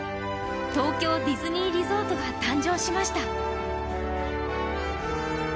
東京ディズニーリゾートが誕生しました。